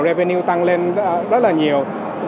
revenue tăng lên rất là nhiều